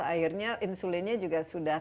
akhirnya insulinnya juga sudah